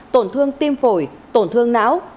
tổn thương tim phương